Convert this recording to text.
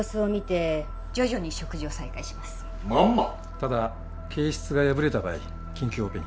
ただ憩室が破れた場合緊急オペに。